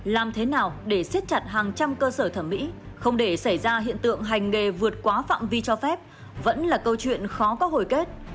làm thế nào để siết chặt hàng trăm cơ sở thẩm mỹ không để xảy ra hiện tượng hành nghề vượt quá phạm vi cho phép vẫn là câu chuyện khó có hồi kết